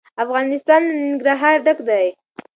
افغانستان له ننګرهار ډک دی.